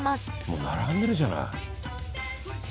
もう並んでるじゃない。